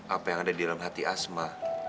apa yang ada di dalam hati asma